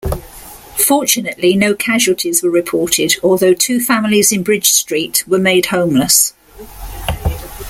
Fortunately no casualties were reported although two families in Bridge street were made homeless.